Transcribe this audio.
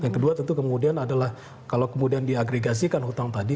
dan kedua tentu kemudian adalah kalau kemudian diagregasikan hutang tadi